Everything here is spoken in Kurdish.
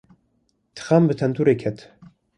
Dixan bi tenûrê ket.